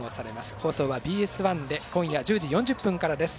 放送はＢＳ１で今夜１０時４０分からです。